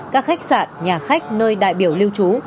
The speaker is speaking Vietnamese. các khách sạn nhà khách nơi đại biểu lưu trú